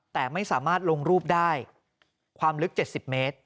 แต่ไม่สามารถลงรูปได้ความลึก๗๐เมตร